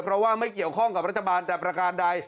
เพราะว่าไม่เกี่ยวข้องกับรัฐบาลแต่ประการใด